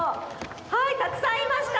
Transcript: はいたくさんいました！